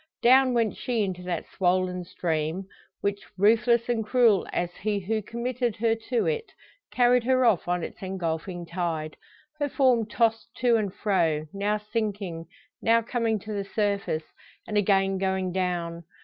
Down went she into that swollen stream, which, ruthless and cruel as he who committed her to it, carried her off on its engulfing tide her form tossed to and fro, now sinking, now coming to the surface, and again going down.